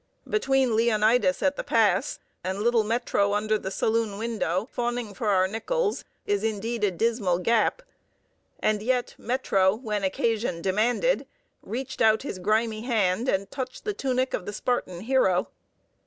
Between Leonidas at the pass and little Metro under the saloon window, fawning for our nickels, is indeed a dismal gap; and yet Metro, when occasion demanded, reached out his grimy hand and touched the tunic of the Spartan hero.